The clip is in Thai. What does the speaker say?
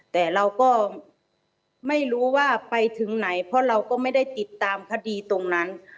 แต่เราก็ไม่รู้ว่าไปถึงไหนเพราะเราก็ไม่ได้ติดตามคดีตรงนั้น